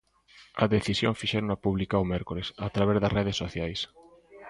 A decisión fixérona pública o mércores, a través das redes sociais.